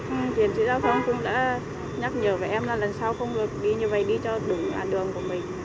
các diện sĩ giao thông cũng đã nhắc nhở với em là lần sau không được đi như vậy đi cho đúng đoạn đường của mình